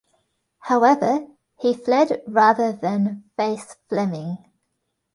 However, he fled rather than face Fleming.